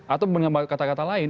atau menambah kata kata lain